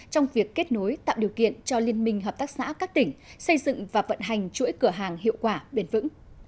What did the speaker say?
trong việc kết nối tạo điều kiện cho liên minh hợp tác xã các tỉnh xây dựng và vận hành chuỗi cửa hàng hiệu quả bền vững